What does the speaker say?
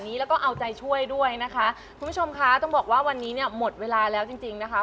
สองชมคะต้องบอกว่าวันนี้หมดเวลาแล้วจริงนะคะ